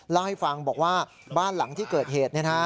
เล่าให้ฟังบอกว่าบ้านหลังที่เกิดเหตุ